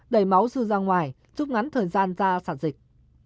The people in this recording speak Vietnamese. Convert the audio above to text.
đẩy máu dư ra ngoài rút ngắn thời gian ra sản dịch